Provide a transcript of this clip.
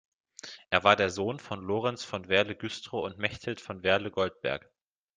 Er war der Sohn von Lorenz von Werle-Güstrow und Mechthild von Werle-Goldberg.